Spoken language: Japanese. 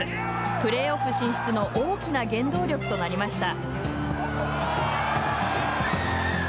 プレーオフ進出の大きな原動力となりました。